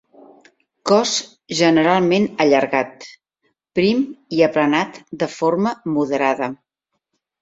Cos generalment allargat, prim i aplanat de forma moderada.